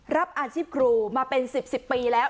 รับอาชีพครูมาเป็น๑๐๑๐ปีแล้ว